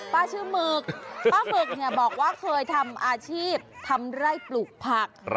ป้าชื่อหมึกป้าหมึกเนี่ยบอกว่าเคยทำอาชีพทำไร่ปลูกผัก